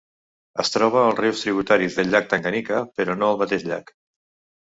Es troba als rius tributaris del llac Tanganyika, però no al mateix llac.